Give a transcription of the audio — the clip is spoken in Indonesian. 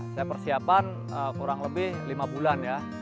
saya persiapan kurang lebih lima bulan ya